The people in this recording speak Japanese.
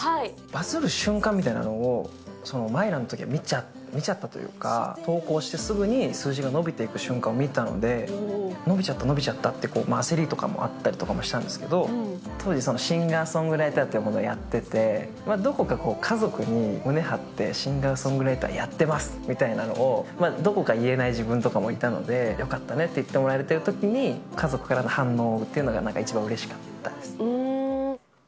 バズる瞬間みたいなのを、マイラのとき見ちゃった、見ちゃったというか、投稿してすぐに数字が伸びていく瞬間を見たので、伸びちゃった、伸びちゃったという焦りとかもあったりもしたんですけど、当時シンガーソングライターというものをやってて、どこかこう、家族に胸張ってシンガーソングライターやってますみたいなのを、どこか言えない自分とかもいたので、よかったねって言ってもらえたときに、家族からの反応っていうのが、一番うれしかったです。